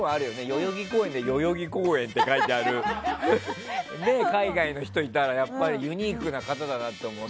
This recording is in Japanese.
代々木公園で代々木公園って書いてある服を着た海外の人がいたらやっぱりユニークな方だなって思う。